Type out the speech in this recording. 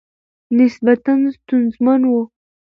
نسبتاً ستونزمن ؤ